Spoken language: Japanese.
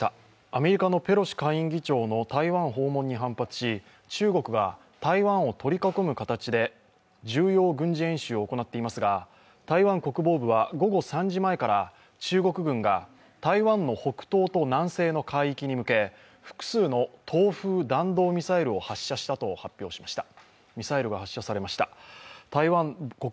アメリカのペロシ下院議長の台湾訪問に反発し中国が台湾を取り囲む形で重要軍事演習を行っていますが、台湾国防部は午後３時前から中国軍が台湾の北東と南西の海域に向け複数の東風弾道ミサイルを発射したと発表されました。